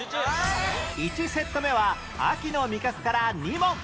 １セット目は秋の味覚から２問